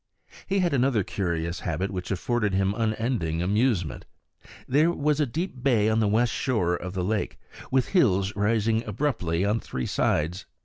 He had another curious habit which afforded him unending amusement. There was a deep bay on the west shore of the lake, with hills rising abruptly on three sides.